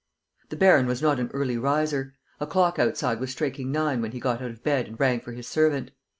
The baron was not an early riser. A clock outside was striking nine when he got out of bed and rang for his servant.